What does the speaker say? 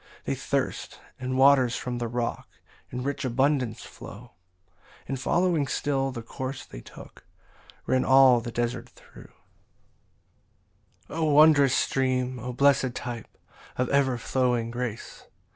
17 They thirst; and waters from the rock In rich abundance flow, And following still the course they took, Ran all the desert thro'. 18 O wondrous stream O blessed type Of ever flowing grace!